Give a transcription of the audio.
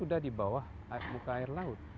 kuda di bawah muka air laut